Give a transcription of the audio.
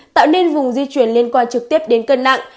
tạo nên vùng di chuyển liên quan trực tiếp đến cân nặng